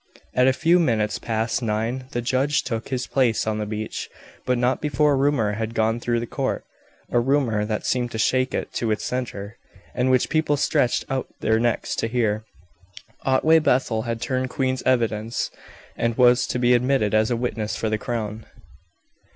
At a few minutes past nine the judge took his place on the bench, but not before a rumor had gone through the court a rumor that seemed to shake it to its centre, and which people stretched out their necks to hear Otway Bethel had turned Queen's evidence, and was to be admitted as a witness for the crown.